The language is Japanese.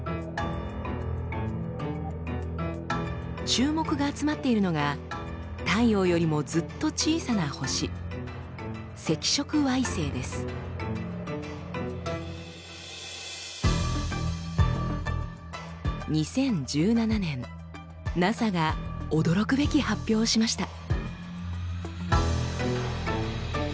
注目が集まっているのが太陽よりもずっと小さな星２０１７年ＮＡＳＡが驚くべき発表をしました。